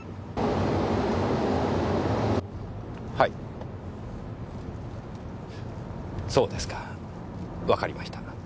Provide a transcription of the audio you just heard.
はいそうですか。わかりました。